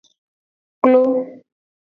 Klo.